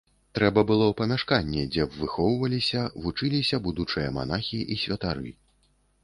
Трэба было памяшканне, дзе б выхоўваліся, вучыліся будучыя манахі і святары.